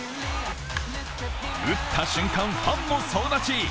打った瞬間、ファンも総立ち。